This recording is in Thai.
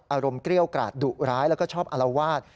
อารมณ์เกรี้ยวกราดดุร้ายและก็ชอบอลวาด